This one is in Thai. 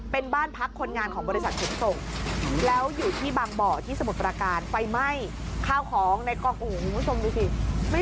เป็นยังไงลูกเป็นยังไงเป็นยังไงบอกลุงนี้